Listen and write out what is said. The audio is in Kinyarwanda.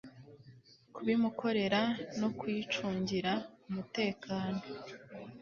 kubimukorera no kuyicungira umutekano